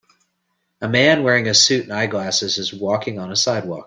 A man wearing a suit and eyeglasses is walking on a sidewalk.